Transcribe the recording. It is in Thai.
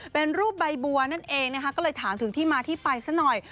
เป็นรูปใบบัวนั่นเองนะคะก็เลยถามถึงที่มาที่ไปซะหน่อย